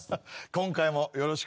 今回もよろしく頼むね。